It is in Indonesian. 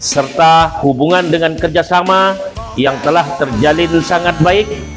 serta hubungan dengan kerjasama yang telah terjalin sangat baik